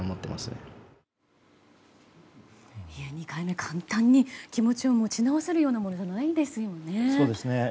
２回目、簡単に気持ちを持ち直せるものではないですよね。